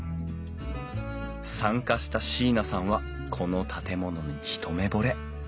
参加した椎名さんはこの建物に一目ぼれ。